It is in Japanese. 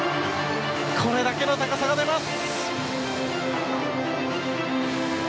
これだけの高さが出ます！